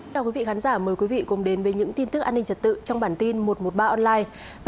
chào quý vị khán giả mời quý vị cùng đến với những tin tức an ninh trật tự trong bản tin một trăm một mươi ba online